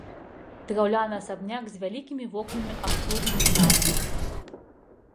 Драўляны асабняк з вялікімі вокнамі абкружаны садам.